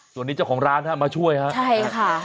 ส่วนนี้เจ้าของร้านมัช่วยนะ